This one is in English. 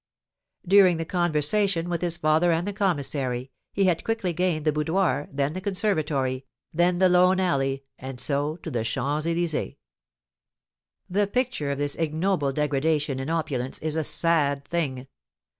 During the conversation with his father and the commissary, he had quickly gained the boudoir, then the conservatory, then the lone alley, and so to the Champs Elysées. The picture of this ignoble degradation in opulence is a sad thing.